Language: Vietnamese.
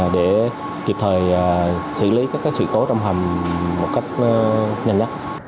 để kịp thời xử lý các sự cố trong hầm một cách nhanh nhất